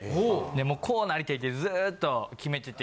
もうこうなりてぇってずっと決めてて。